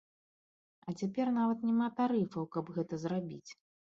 А цяпер нават няма тарыфаў, каб гэта зрабіць.